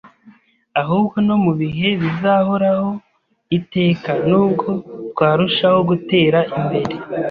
ahubwo no mu bihe bizahoraho iteka; nubwo twarushaho gutera imbere